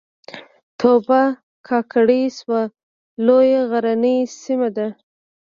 توبه کاکړۍ سوه لویه غرنۍ سیمه ده